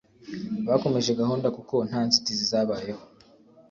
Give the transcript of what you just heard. bakomeje gahunda kuko nta nzitizi zabayeho